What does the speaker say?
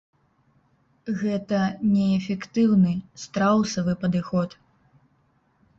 Гэта неэфектыўны, страусавы падыход.